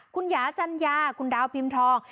คุณหยาจัญญาคุณดาวพิมพ์ทอง